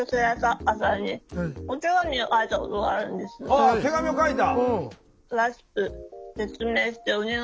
ああ手紙を書いた？